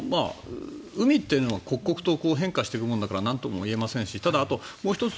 海っていうのは刻々と変化していくものだからなんとも言えませんしただあともう１つ